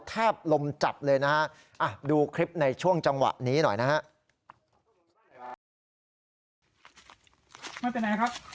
ลมจับเลยนะฮะดูคลิปในช่วงจังหวะนี้หน่อยนะฮะ